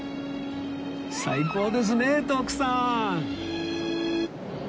最高ですね徳さん！